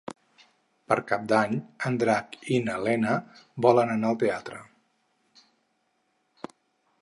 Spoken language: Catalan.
Per Cap d'Any en Drac i na Lena volen anar al teatre.